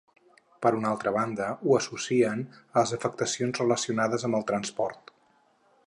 Per una altra banda, ho associen a les afectacions relacionades amb el transport.